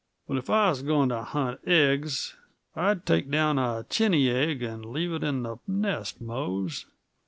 But if I was going to hunt eggs, I'd take down a chiny egg and leave it in the nest, Mose."